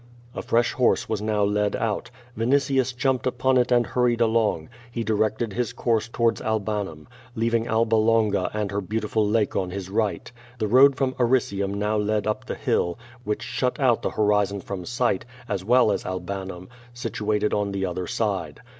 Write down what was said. A fresh horse was now led out. Vinitius jumped upon it and hurried along. He directed his course towards Albanum, leaving Alba Longa and her beautiful lake on his right. The road from Aricium now led up the hill, which shut out the horizon from sight, as well as Albanum, situated on the other side.